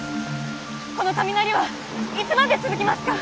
この雷はいつまで続きますか？